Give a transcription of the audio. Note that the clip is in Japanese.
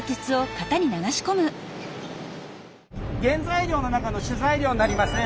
原材料の中の主材料になります